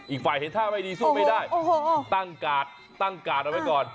อีกฝ่ายเห็นท่าไม่ดีสู้ไม่ได้ตั้งกาดตั้งกาดเอาไว้ก่อน